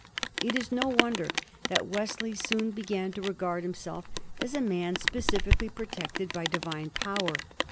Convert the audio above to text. It is no wonder that Wesley soon began to regard himself as a man specially protected by divine power.